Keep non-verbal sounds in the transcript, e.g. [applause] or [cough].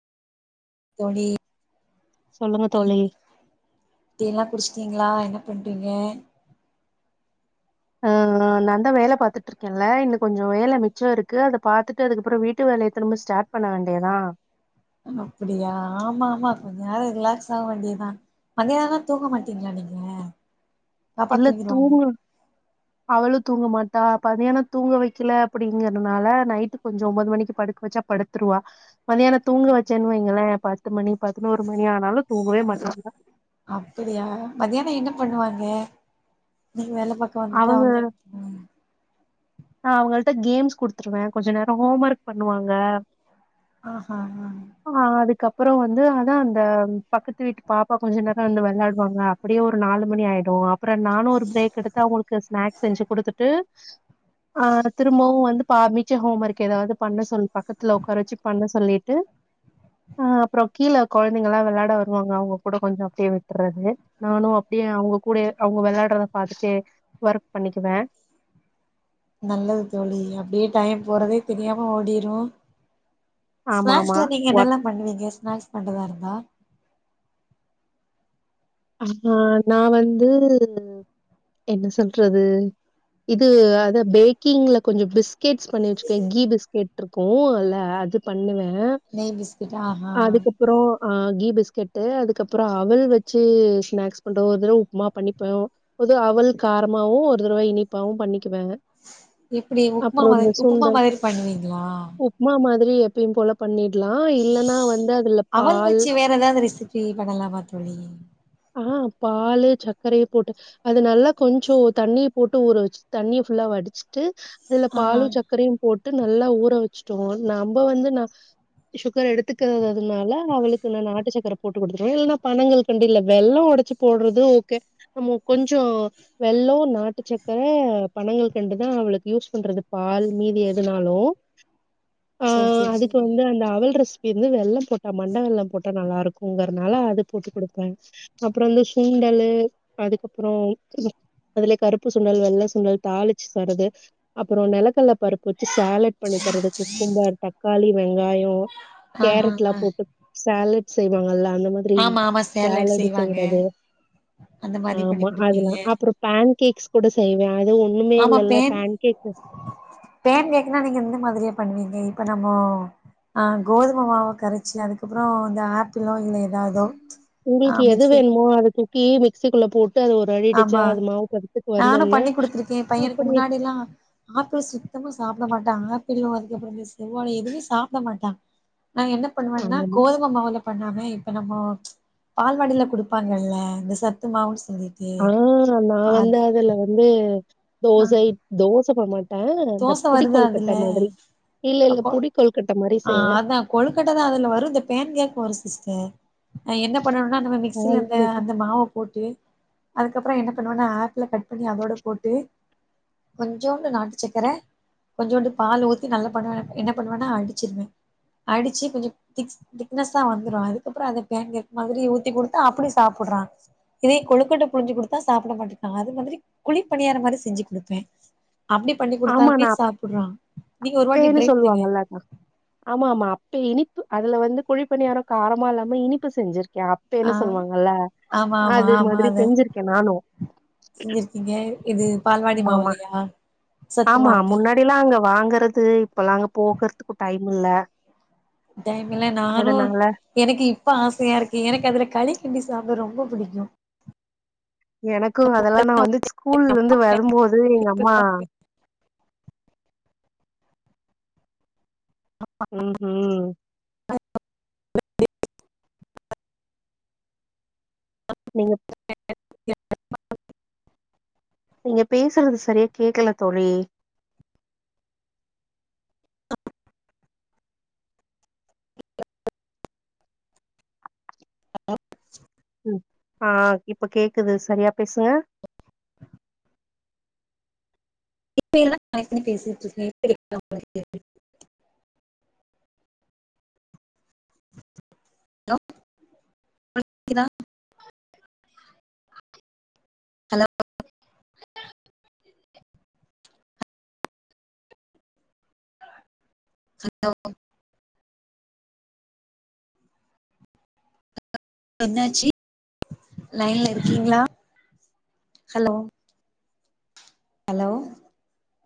தோழி சொல்லுங்க தோழி டீ எல்லா குடிச் சிங்களா என்ன பண்றீங்க ஆ ஆ நா தா வேல பாத்துட்டு இருக்கேன்ல இன்ன கொஞ்சோ வேல மிச்சம் இருக்கு அத பாத்துட்டு அதுக்கப்புறோ வீட்டு வேலய திரும்ப ஸ்டார்ட் பண்ண வேண்டியதா அப்பிடியா ஆமா ஆமா கொஞ்ச நேர ரிலாக்ஸ் ஆவ வேண்டியதா மதியனோ தூக்க மாட்டீங்களா நீங்க பாப்பா இல்ல தூங்கிருவாங்க தூங்குவ அவளு தூங்க மாட் டா மதியான தூங்க வைக்கல அப்பிடிங்கறனால நைட்டு கொஞ்சோ ஒம்பது மணிக்கி படுக்க வச்சா படுத்துருவா மத்தியானோ தூங்க வச்சேன்னு வைங்களே பத்து மணி பதனோரு மணி ஆனாலு தூங்கவே மாட்டா [unintelligible] அப்படியா மதியானோ என்ன பண்ணுவாங்க நீ வேல [unintelligible] வந்துட்டா ஆன்லைன் ஆமா நா அவங்கள்ட்ட கேம்ஸ் குடுத்துருவே கொஞ்ச நேரோ ஹோம் ஒர்க் பண்ணுவாங்க ஆஹா ஆ அப்புறோ வந்து அதா அந்த பக்கத்து வீட்டு பாப்பா கொஞ்ச நேரோ வந்து வெளாடுவாங்கலா அப்பிடியே ஒரு நாலு மணி ஆயிடு அ ப்றோ நானு ஒரு பிரேக் எடுத்து அவங்களுக்கு ஸ்நாக்ஸ் செஞ்சு குடுத்துட்டு ஆ திரும்பவு வந்து பா மிச்ச ஹோம் ஒர்க் எதாவது பண்ண சொல் பக்கத்துல உக்கார வச்சு பண்ண சொல்லிட்டு ஆ அப்புறோ கீழ கொழந்தைங்கல்லா வெளையாட வருவாங்க அவங்க கூட கொஞ்சோ அப்டியே விட்டுறது நானு அப்டியே அவங்க கூடயே அவங்க வெளையாடுறத பாத்துட்டே ஒர்க் பண்ணிக்குவே நல்லது தோழி அப்டியே டைம் போறதே தெரியாம ஓடிரு ஆமாமா. ஸ்நாக்ஸ்ல நீங்க ஒர்க் என்னெல்லா பண்ணுவீங்க ஸ்நாக்ஸ் பண்றதா இருந்தா ஆ நா வந்து என்ன சொல்றது இது அதா பேக்கிங்ல கொஞ்ச பிஸ்கேட்ஸ் பண்ணி வச்சுக்குவே கீ பிஸ்கேட் இருக்கு அல்ல அது பண்ணுவே நெய் பிஸ்கட் ஆஹா அதுக்கப்புறோ ஆ கீ பிஸ்கெட்டு் அதுக்கப்புறோ அவல் வச் சு ஸ்நாக்ஸ் பண்ற ஒரு தடவ உப்மா பண்ணிப்பே ஒரு தடவ அவல் காரமாவு ஒரு தடவ இனிப்பாவு பண்ணி எப்பிடி உப்மா மாரி இந்த உப்புமா சுண்டல் மாதிரி பண்ணுவீங்களா ப்பயு போல பண்ணி அவல் வச்சி வேற எதாவது ரெசிபி பண்ணலாமா தோழி? ஆ பாலு சக்கரய போட்டு அது நல்லா கொஞ்சோ தண்ணிய போட்டு ஊற வச்சு தண்ணிய ஃபுல்லா வடிச்சிட்டு அதுல ஆ பாலு சக்கரையு போட் டு நல்லா ஊற வச்சுட்டோ நம்ப வந்து நா சுகர் எடுத்துக்காததுனால அவளுக்கு நா நாட்டு சக்கர போட்டு குடுத்துருவே இல்லனா பனங்கல்கண்டு இல்ல வெல்லோ ஒடச்சு போடுறது ஓகே நம்ம கொஞ்சோ வெல்லோ நாட்டுச் சக்கர பனங்கல்கண்டுதா அவளுக்கு யூஸ் பண்றது பால் மீதி எதுனாலு ஆ சேரி சேரி அதுக்கு சேரி வந்து அந்த அவல் ரெசி பி வந்து வெல்லம் போட்டா மண்ட வெல்லம் போட்டா நல்லா இருக்குங்கறனால அது போட்டு குடுப்பே அப்புறோ வந்து சுண்டலு அதுக்கப்புறோ ம் அதுலயே கருப்பு சுண்டல் வெள்ள சுண்டல் தாளிச்சு தரது அப்புறோ நெலக்கடல பருப்பு வச்சு சேலட் பண்ணி தரது குக்கும்பர் தக்காளி வெங்காயோ ஆஹா கேரட்லா ஆ போட்டு சேலட் செய்வாங்கல்ல அந்த மாதிரி ஆமா ஆமா சேலட் சேலடு செய்வாங்க செய்யறது அந்த மாரி பண்ணி ஆமா குடுப்பீங்க அதுலா அப்புறோ பே ஓகே கேக்ஸ் கூட செய்வேன் அது ஒண்ணுமே ஆமா இல்லல்ல பேன் பேன்கேக்கு பேன் கேக்குனா நீங்க எந்த மாதிரியா பண்ணுவீங்க இப்ப நம்மோ அ கோதும மாவ கரைச்சு அதுக்கப்புறம் இந்த ஆப்பிளோ இல்ல ஏ உங்களுக்கு எது வேணுமோ அதுக்கு இப்படியே மிக்ஸி குள்ள போட்டுக்கணும் ஆமா நானும் வந்தோனே பண்ணி் கொடுத்துருக்கேன் பையனுக்கு அப்படியே முன்னாடி எல்லாம் ஆப்பிள் சுத்தமா சாப்பிட மாட்டாங்க அது அப்புறம் இந்த செவ்வால பழம் எதுவுமே சாப்பிட மாட்டான் நான் என்ன பண்ணுவேன்னா ஆமா கோதுமை மாவுல பண்ணாம இப்ப நம்ம பால்வடில கொடுப்பா்கள்ல்ல இந்த சத்துமாவுன்னு சொல்லி ஆஹ நான் வந்து அதுல வந்து ஆ தோசை தோ சத்துமாவு அன் இந்த தோச புடி வருது அதுல கொல்கட்டை மாதிரி இல்ல இல்ல புடி கொல்கட்டை ஆஹ அதான் கொழுக்கட்டை தான் அதுல வரும் இந்த பேன் கேக் வரும் சிஸ்டர் ஹ என்ன பண்ணணும்னா நம்ம மிக்சியில அந்த அந்த மாவை போட்டு அதுக்கப்புறம் என்ன பண்ணுவன்னா ஆப்பிளை கட் பண்ணி அதோட போட்டு கொஞ்சோண்டு நாட்டு சக்கரை கொஞ்சோண்டு பால் ஊத்தி நல்லா பண்ணுவ என்ன பண்ணுவேன்னா அடி அடிச்சு கொஞ்சம் திக் திக்னஸ்சா வந்துரும் அதுக்கப்புறம் அதை பேன் கேக் மாதிரி ஊத்தி கொடுத்தா அப்படியே சாப்பிடுறான் இதே கொழுக்கட்டை புழிஞ்சு கொடுத்தா சாப்பிட மாட்டே இருக்காங்க அது மாதிரி குழிப்பணியாற மாதிரி செஞ்சு கொடுப்பேன் அப்படி பண்ணி ஆமா கொடுத்தாலுமே நா சாப்பிடறான் நீங்க ஒரு வாட்டி அப்பேன்னு ட்ரை பண்ணுங்க சொல்லுவாங்கல்ல ஆமா ஆமா அப்ப இனிப்பு அதுல வந்து குழிப்பணியாரம் காரமா இல்லாம இனிப்பு செஞ்சிருக்கு அப்ப ஆ என்ன சொல்லுவாங்கல்ல ஆமா ஆமா அது ஆமா மாதிரி அத செஞ்சிருக்கேன் நானும் செஞ்சிருக்கீங்க இது பால்வாடி ஆமாம மாவுலையா சத்து ஆமா மாவுலையா முன்னாடி எல்லாம் அங்க வாங்கறது இப்பல்லாம் போகறதுக்கு டைம் இல்ல டைமல நானும் அதனால எனக்கு இப்ப ஆசையா இருக்கேன் எனக்கு அதுல களி கிண்டி சாப்பிட ரொம்ப பிடிக்கும் எனக்கும் அதெல்லாம் நான் வந்து ஸ்கூல்ல இருந்து வரும்போது எங்க அம்மா உஹம் உம் நீங்க ஏ நீங்க பேசுறது சரியா கேக்கல தோழி ஆ ம் ஆ இப்ப கேக்குது சரியா பேசுங்க இப்ப எல்லாம் காயக்கனி பேசிட்டுருக்கு [inaudible] ஹலோ ஹலோ கேக்குதா ஹலோ ஹலோ என்னாச்சி லைன்ல இருக்கீங்களா ஹலோ ஹலோ